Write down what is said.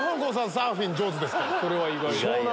サーフィン上手ですから。